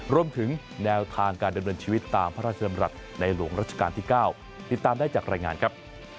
รวมถึงแนวทางการดำเนินชีวิตตามพระราชดำรัฐในหลวงรัชกาลที่๙ติดตามได้จากรายงานครับ